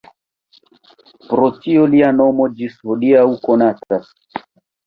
Pro tio lia nomo ĝis hodiaŭ konatas.